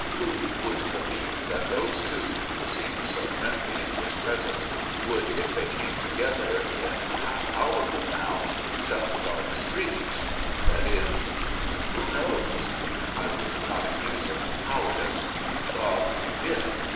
Who would believe that those two, who seem so friendly in his presence, would if they came together in a half hour from now in some dark street, that is who knows? I would not accuse them of cowardice; God forbid!